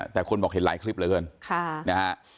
แต่คุณบอกเห็นหลายคลิปเลยกัน